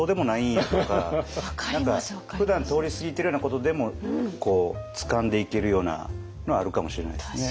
ふだん通り過ぎてるようなことでもつかんでいけるようなのはあるかもしれないですね。